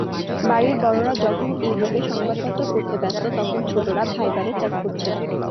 বাড়ির বড়রা যখন ই-বুকে সংবাদপত্র পড়তে ব্যস্ত, তখন ছোটরা ভাইবারে চ্যাট করছে।